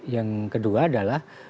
yang kedua adalah